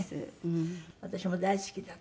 私も大好きだった。